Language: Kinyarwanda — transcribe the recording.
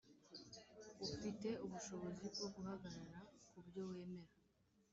ufite ubushobozi bwo guhagarara ku byo wemera.